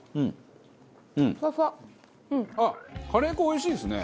あっカレー粉おいしいですね。